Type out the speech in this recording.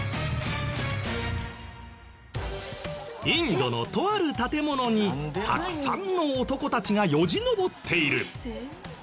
インドのとある建物にたくさんの男たちがよじ登っている。